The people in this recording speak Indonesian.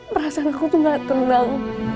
perasaan aku tuh gak tenang